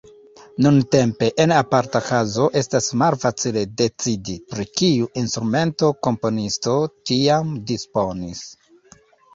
Nuntempe en aparta kazo estas malfacile decidi, pri kiu instrumento komponisto tiam disponis.